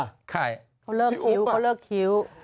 ใครพี่อุ๊ปป่ะเขาเลิกคิ้วเขาเลิกคิ้ว